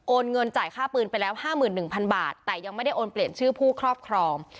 เงินจ่ายค่าปืนไปแล้ว๕๑๐๐๐บาทแต่ยังไม่ได้โอนเปลี่ยนชื่อผู้ครอบครอง